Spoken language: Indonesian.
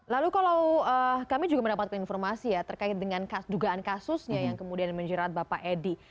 lalu kalau kami juga mendapatkan informasi ya terkait dengan dugaan kasusnya yang kemudian menjerat bapak edi